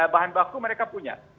bahan baku mereka punya